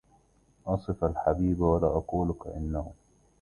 أصف الحبيب ولا أقول كأنه